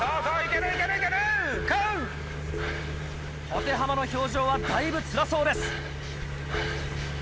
保手濱の表情はだいぶつらそうです。